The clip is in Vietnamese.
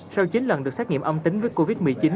sau chín lần được xét nghiệm âm tính với covid một mươi chín